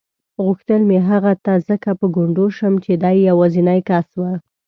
غوښتل مې هغه ته ځکه په ګونډو شم چې دی یوازینی کس و.